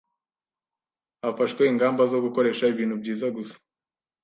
Hafashwe ingamba zo gukoresha ibintu byiza gusa.